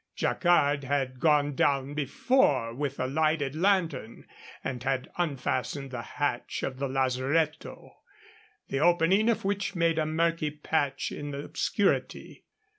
Jacquard had gone down before with a lighted lantern, and had unfastened the hatch of the lazaretto, the opening of which made a murky patch in the obscurity.